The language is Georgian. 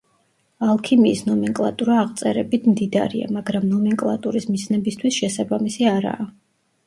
ალქიმიის ნომენკლატურა აღწერებით მდიდარია, მაგრამ ნომენკლატურის მიზნებისთვის შესაბამისი არაა.